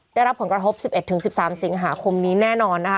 ได้รับผลกระทบ๑๑๑๑๓สิงหาคมนี้แน่นอนนะคะ